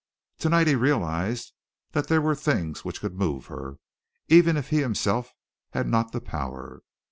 To night, he realized that there were things which could move her, even if he himself had not the power.